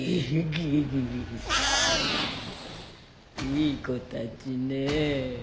いい子たちねぇ。